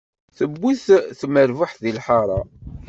Tewwet tmerbuḥt di lḥaṛa.